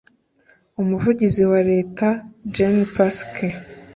umuvugizi wa Leta Jen Psaki